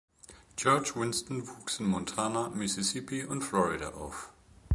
George Winston wuchs in Montana, Mississippi und Florida auf.